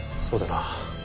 そうだな。